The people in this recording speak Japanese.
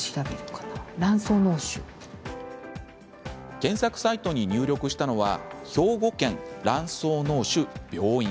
検索サイトに入力したのは兵庫県卵巣のう腫病院。